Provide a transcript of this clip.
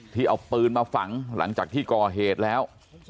ที่เอาปืนมาฝังหลังจากที่ก่อเหตุแล้ว